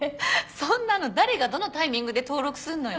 そんなの誰がどのタイミングで登録すんのよ。